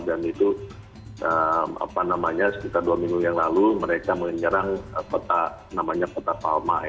dan itu sekitar dua minggu yang lalu mereka menyerang kota palma